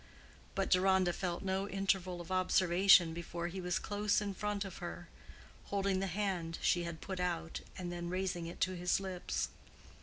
But Deronda felt no interval of observation before he was close in front of her, holding the hand she had put out and then raising it to his lips.